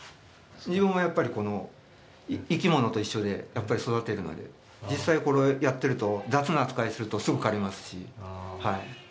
自分は、やっぱり生き物と一緒で育てるので、実際、これをやってると、雑な扱いをすると、すぐ枯れますし。